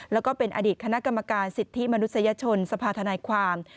แล้วก็เป็นอดีตคณะกรรมการสิทธิมนุษยชนสภาธนายความ